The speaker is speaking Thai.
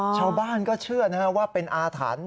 ชาวบ้านก็เชื่อว่าเป็นอาถรรพ์